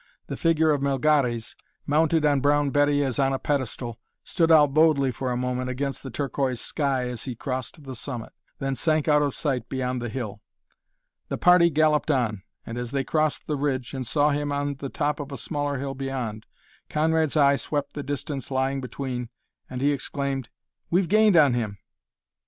The figure of Melgares, mounted on Brown Betty as on a pedestal, stood out boldly for a moment against the turquoise sky as he crossed the summit, then sank out of sight beyond the hill. The party galloped on, and as they crossed the ridge and saw him on the top of a smaller hill beyond, Conrad's eye swept the distance lying between and he exclaimed, "We've gained on him!"